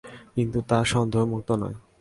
কিন্তু তা সন্দেহমুক্ত নয়।